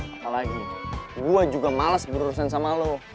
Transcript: apalagi gue juga malas berurusan sama lo